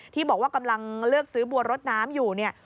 ที่บอกว่ากำลังเลือกซื้อบัวรถน้ำอยู่เนี่ย